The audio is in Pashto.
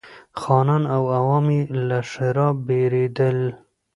خانان او عوام یې له ښرا بېرېدل.